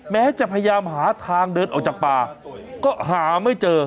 แม้จะพยายามหาทางเดินออกจากป่าก็หาไม่เจอ